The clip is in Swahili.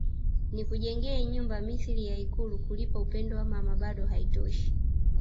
Nikujengee nyumba mithili ya ikulu kulipa upendo wako Mama bado aitoshi